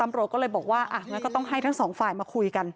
ตำรวจก็เลยบอกว่าอ่ะงั้นก็ต้องให้ทั้งสองฝ่ายมาคุยกัน